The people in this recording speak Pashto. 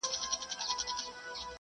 زوی یې غوښتی خیر یې نه غوښتی.